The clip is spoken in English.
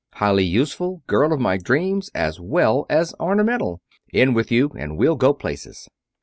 "Highly useful, girl of my dreams, as well as ornamental. In with you, and we'll go places!"